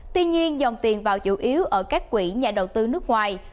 tuy nhiên dòng tiền vào chủ yếu ở các quỹ nhà đầu tư nước ngoài